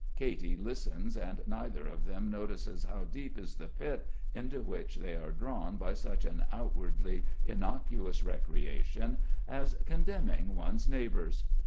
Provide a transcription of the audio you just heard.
Katy listens and neither of them notices how deep is the pit into which they are drawn by such an outwardly innocuous recreation as condemning one's neighbours.